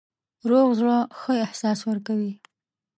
روغ زړه ښه احساس ورکوي.